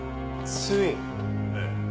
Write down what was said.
ええ。